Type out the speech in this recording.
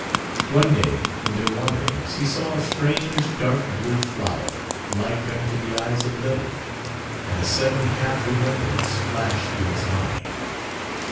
One day in their wanderings he saw a strange dark blue flower like unto the eyes of Lilith, and a sudden half remembrance flashed through his mind.